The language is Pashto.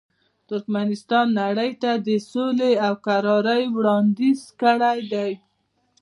ترکمنستان نړۍ ته د سولې او کرارۍ وړاندیز کړی دی.